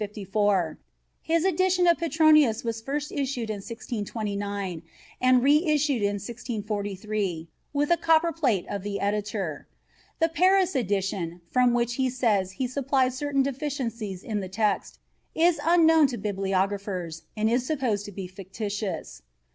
His edition of Petronius was first issued in 1629 and re issued in 1643 with a copper plate of the Editor. The Paris edition, from which he says he supplied certain deficiencies in the text, is unknown to bibliographers and is supposed to be fictitious.